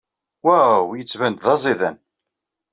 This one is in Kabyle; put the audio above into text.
Waw, yettban-d d aẓidan.